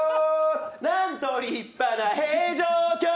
なんと立派な平城京。